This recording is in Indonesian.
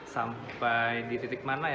sampai di titik mana ya